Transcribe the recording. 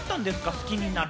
好きになる。